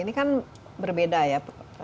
ini kan berbeda ya